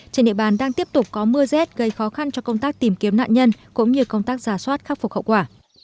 trên địa bàn đang tiếp tục có mưa rét gây khó khăn cho công tác tìm kiếm nạn nhân cũng như công tác giả soát khắc phục hậu quả